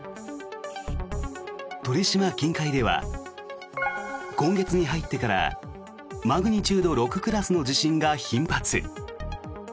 鳥島近海では今月に入ってからマグニチュード６クラスの地震が頻発。